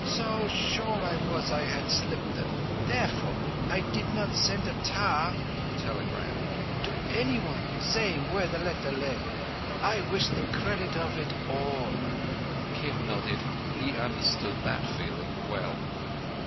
So sure I was I had slipped them. Therefore I did not send a tar [telegram] to any one saying where the letter lay. I wished the credit of it all." Kim nodded. He understood that feeling well.